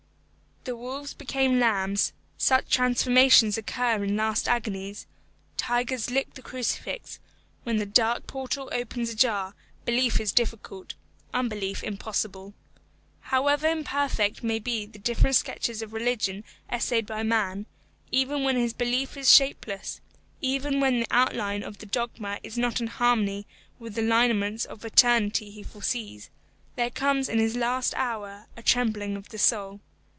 The wolves became lambs such transformations occur in last agonies; tigers lick the crucifix; when the dark portal opens ajar, belief is difficult, unbelief impossible. However imperfect may be the different sketches of religion essayed by man, even when his belief is shapeless, even when the outline of the dogma is not in harmony with the lineaments of the eternity he foresees, there comes in his last hour a trembling of the soul.